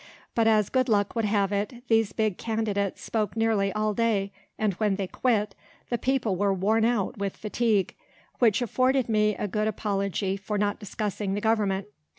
But as good luck would have it, these big candidates spoke nearly all day, and when they quit, the people were worn out with fatigue, which afforded me a good apology for not discussing the government.